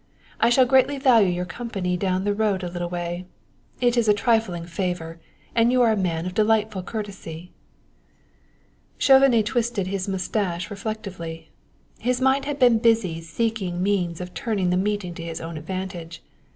I shall greatly value your company down the road a little way. It is a trifling favor, and you are a man of delightful courtesy." Chauvenet twisted his mustache reflectively. His mind had been busy seeking means of turning the meeting to his own advantage.